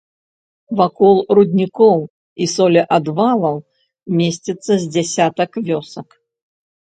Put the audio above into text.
Вакол руднікоў і солеадвалаў месціцца з дзясятак вёсак.